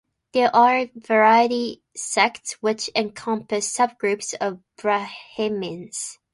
There are various sects which encompass sub-groups of Brahmins.